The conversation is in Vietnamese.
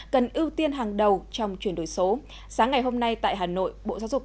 của các doanh nghiệp